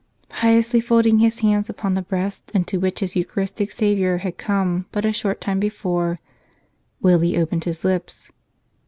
Piously folding his hands upon the breast into which his Eucharistic Savior had come but a short time be¬ fore, Willie opened his lips.